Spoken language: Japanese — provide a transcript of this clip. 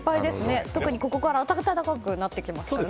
特にここから暖かくなってきますからね。